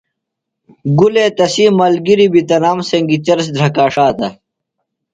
گُلے تسی ملگِرِم بیۡ تنام سنگیۡ چرس دھرکا ݜاتہ۔